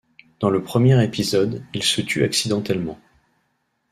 Dans le premier épisode, il se tue accidentellement.